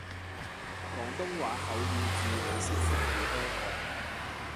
廣東話口語字你識寫幾多個?